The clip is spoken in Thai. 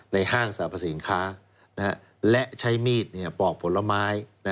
ในห้างสร้างประสิทธิ์ข้าวและใช้มีดปอกผลไม้